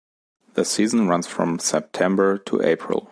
The season runs from September to April.